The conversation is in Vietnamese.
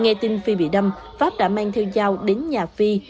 nghe tin phi bị đâm pháp đã mang theo dao đến nhà phi